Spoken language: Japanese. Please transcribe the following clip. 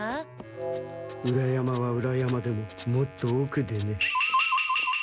裏山は裏山でももっとおくでね。